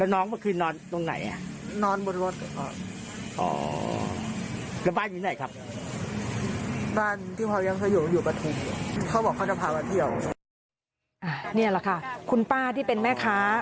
นี่แหละค่ะคุณป้าที่เป็นแม่ค้า